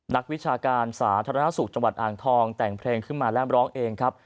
นักวิชาการสาธารณสุขจังหวัดอ่างทองแต่งเพลงขึ้นมาและร้องเองครับ